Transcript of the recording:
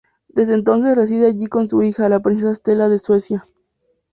Desde entonces residen allí con su hija, la princesa Estela de Suecia.